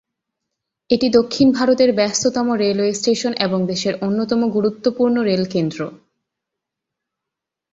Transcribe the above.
এটি দক্ষিণ ভারতের ব্যস্ততম রেলওয়ে স্টেশন এবং দেশের অন্যতম গুরুত্বপূর্ণ রেল কেন্দ্র।